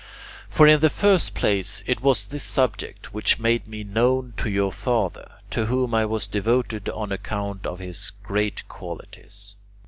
For in the first place it was this subject which made me known to your father, to whom I was devoted on account of his great qualities.